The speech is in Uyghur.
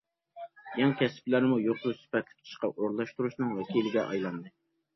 يېڭى كەسىپلەرمۇ يۇقىرى سۈپەتلىك ئىشقا ئورۇنلاشتۇرۇشنىڭ ۋەكىلىگە ئايلاندى.